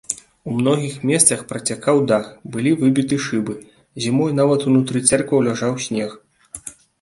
У многіх месцах працякаў дах, былі выбіты шыбы, зімой нават унутры цэркваў ляжаў снег.